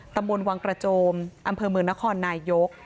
ตำบลวังกระโจมอำเภอเมืองนครนายก